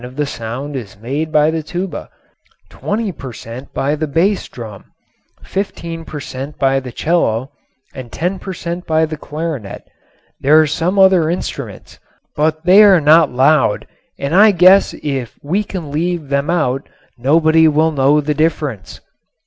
of the sound is made by the tuba, 20 per cent. by the bass drum, 15 per cent. by the 'cello and 10 per cent. by the clarinet. There are some other instruments, but they are not loud and I guess if we can leave them out nobody will know the difference."